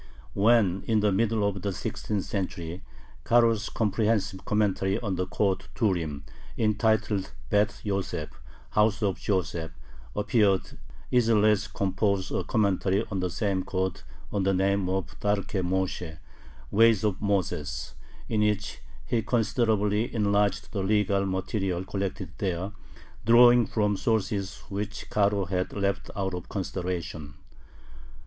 When, in the middle of the sixteenth century, Caro's comprehensive commentary on the Code Turim, entitled Beth Yoseph ("House of Joseph"), appeared, Isserles composed a commentary on the same code under the name Darkhe Moshe ("Ways of Moses"), in which he considerably enlarged the legal material collected there, drawing from sources which Caro had left out of consideration.